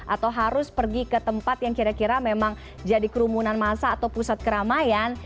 atau harus pergi ke tempat yang kira kira memang jadi kerumunan masa atau pusat keramaian